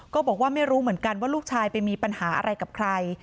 ก็บอกว่าไม่รู้เหมือนกันว่าลูกชายไปมีปัญหาอะไรกับใคร